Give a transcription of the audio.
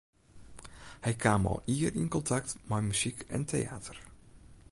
Hy kaam al ier yn kontakt mei muzyk en teäter.